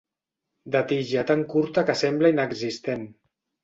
De tija tan curta que sembla inexistent.